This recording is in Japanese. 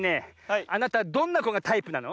あなたどんなこがタイプなの？